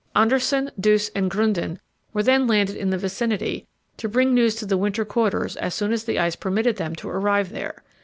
Andersson, Duse and Grunden were then landed in the vicinity, to bring news to the winter quarters as soon as the ice permitted them to arrive there.